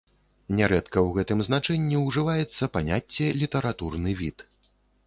Нярэдка ў гэтым значэнні ўжываецца паняцце літаратурны від.